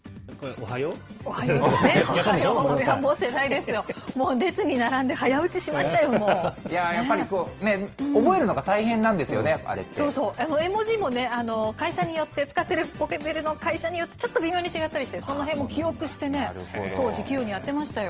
おはようね、世代ですね、列に並んで早打ちしましたよ、やっぱり、覚えるのが大変なそうそう、絵文字も会社によって、使っているポケベルの会社によって、ちょっと微妙に違ったりして、そのへんも記憶してね、当時、器用にやってましたよ。